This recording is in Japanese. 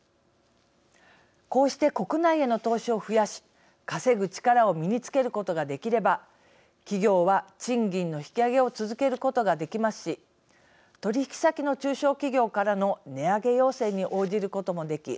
こうして国内への投資を増やし稼ぐ力を身につけることができれば企業は、賃金の引き上げを続けることができますし取引先の中小企業からの値上げ要請に応じることもでき